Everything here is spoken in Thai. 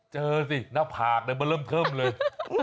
เจอน่าผากรึไม่เริ่มเขิมเลย